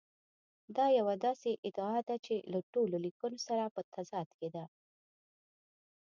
دا یوه داسې ادعا ده چې له ټولو لیکونو سره په تضاد کې ده.